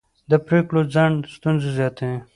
د پرېکړو ځنډ ستونزې زیاتوي